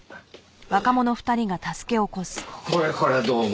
これはこれはどうも。